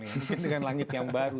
mungkin dengan langit yang baru